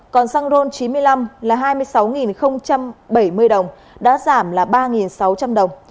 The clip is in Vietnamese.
còn xăng ron chín mươi năm là hai mươi sáu bảy mươi đồng đã giảm là ba sáu trăm linh đồng